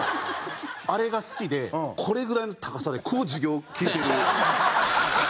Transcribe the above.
あれが好きでこれぐらいの高さでこう授業聞いてる。